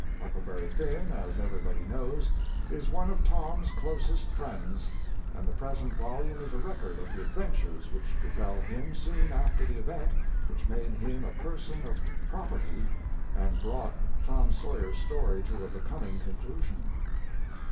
Huckleberry Finn, as everybody knows, is one of Tom s closest friends; and the present volume is a record of the adventures which befell him soon after the event which made him a parson of property and brought Tom Sawyer s story to a becoming conclusion.